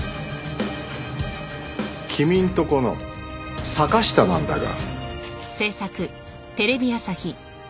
君のとこの坂下なんだが。